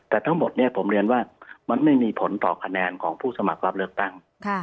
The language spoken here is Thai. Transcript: แต่ทั้งหมดเนี่ยผมเรียนว่ามันไม่มีผลต่อคะแนนของผู้สมัครรับเลือกตั้ง